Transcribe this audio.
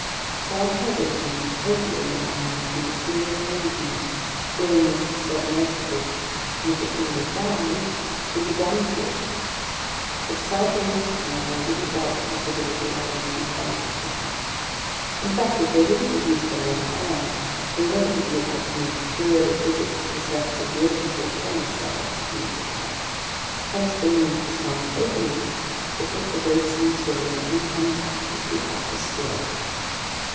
So our salvation lay totally in the hands of the mysterious helmsmen steering this submersible, and if it made a dive, we were done for! But aside from this occurring, I didn't doubt the possibility of our making contact with them. In fact, if they didn't produce their own air, they inevitably had to make periodic visits to the surface of the ocean to replenish their oxygen supply. Hence the need for some opening that put the boat's interior in contact with the atmosphere.